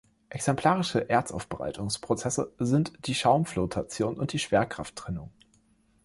Exemplarische Erzaufbereitungsprozesse sind die Schaumflotation und die Schwerkrafttrennung.